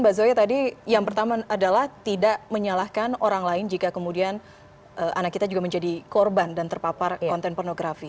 mbak zoya tadi yang pertama adalah tidak menyalahkan orang lain jika kemudian anak kita juga menjadi korban dan terpapar konten pornografi